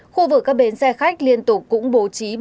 khu vực các bến xe khách liên tục cũng bố trí